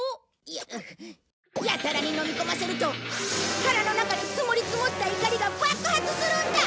やたらにのみ込ませると腹の中に積もり積もった怒りが爆発するんだ！